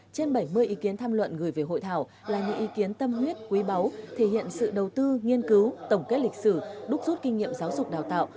trên bảy mươi ý kiến tham luận gửi về hội thảo là những ý kiến tâm huyết quý báu thể hiện sự đầu tư nghiên cứu tổng kết lịch sử đúc rút kinh nghiệm giáo dục đào tạo